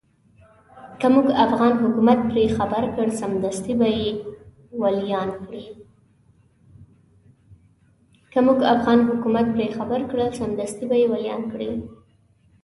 که موږ افغان حکومت پرې خبر کړ سمدستي به يې واليان کړي.